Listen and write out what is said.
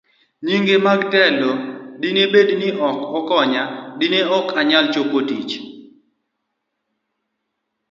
B. Nyinge mag telo Dine bed ni ok ikonya, dine ok anyal chopo tich